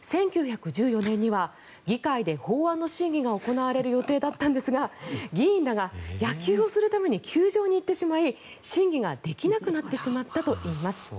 １９１４年には議会で法案の審議が行われる予定だったんですが議員らが野球をするために球場に行ってしまい審議ができなくなってしまったといいます。